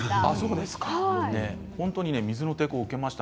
本当に水の抵抗を受けました。